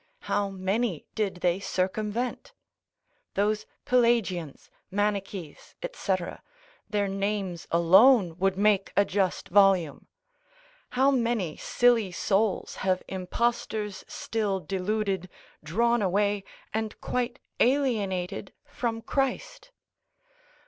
how many did they circumvent? Those Pelagians, Manichees, &c., their names alone would make a just volume. How many silly souls have impostors still deluded, drawn away, and quite alienated from Christ!